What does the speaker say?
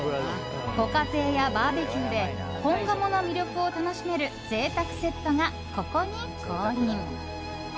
ご家庭やバーベキューで本鴨の魅力を楽しめる贅沢セットがここに降臨！